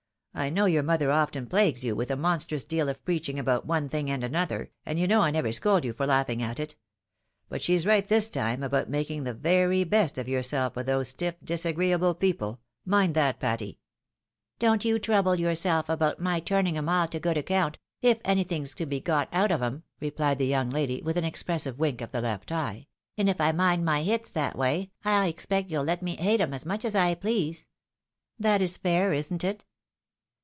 I know yoxur mother often plagues you with a monstrous deal of preaching about one thing and another, and you know I never scold you for laughing at it. But she's right this time about making the very best of yourself with those stiff disagreeable people — ^mind that, Patty." " Don't you trouble yourself about my turning 'em all to good account, if anything 's to be got out of 'em," rephed the young lady with an expressive wink of the left eye; "and if I mind my hits that way, I expect you'll let me hate 'em as much as I please. That is fair, isn't it